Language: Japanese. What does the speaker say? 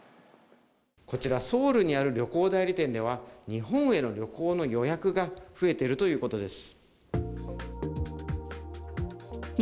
こちら、ソウルにある旅行代理店では日本への旅行の予約が増えているということです。